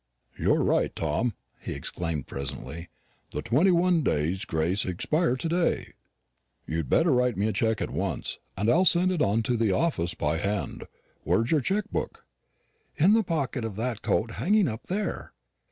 "You're right, Tom," he exclaimed presently. "The twenty one days' grace expire to day. You'd better write me a check at once, and I'll send it on to the office by hand. Where's your check book?" "In the pocket of that coat hanging up there."